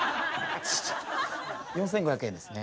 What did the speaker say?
４，５００円ですね。